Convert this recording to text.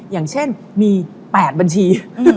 อย่างเช่นมี๘บัญชี